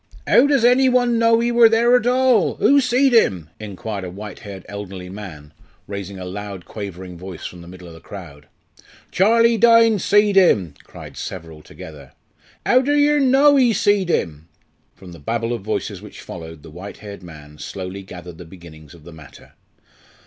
"'Ow does any one know ee wor there at all? who seed him?" inquired a white haired elderly man, raising a loud quavering voice from the middle of the crowd. "Charlie Dynes seed 'im," cried several together. "How do yer know ee seed 'im?" From the babel of voices which followed the white haired man slowly gathered the beginnings of the matter.